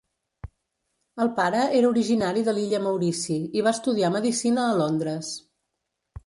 El pare era originari de l'illa Maurici i va estudiar medicina a Londres.